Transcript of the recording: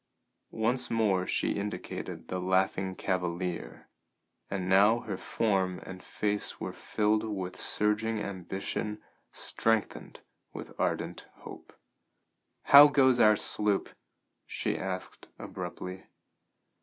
Once more she indicated the "Laughing Cavalier," and now her form and face were filled with surging ambition strengthened with ardent hope. "How goes our sloop?" she asked abruptly.